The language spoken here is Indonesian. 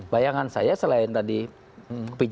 bayangan saya selain tadi